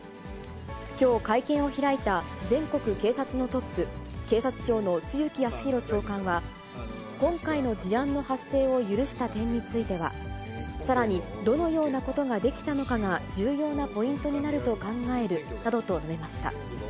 きょう、会見を開いた全国警察のトップ、警察庁の露木康浩長官は、今回の事案の発生を許した点については、さらにどのようなことができたのかが重要なポイントになると考えるなどと述べました。